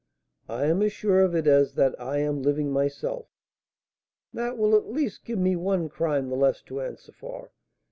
"I am as sure of it as that I am living myself." "That will at least give me one crime the less to answer for.